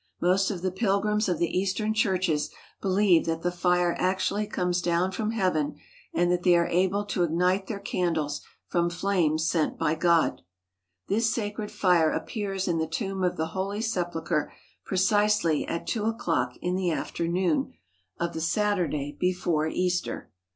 Most of the pilgrims of the Eastern churches believe that the fire actually comes down from heaven and that they are able to ignite their candles from flames sent by God. This sacred fire appears in the tomb of the Holy Sep ulchre precisely at two o'clock in the afternoon of the 98 WASHING THE FEET OF THE APOSTLES Saturday before Easter.